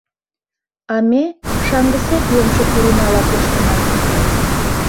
А ме шаҥгысек йомшо турняла коштына.